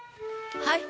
はい。